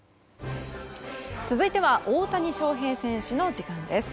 続いては大谷翔平選手の時間です。